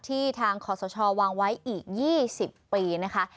ที่ทางขอสชวางไว้อีก๒๐ปีนะคะ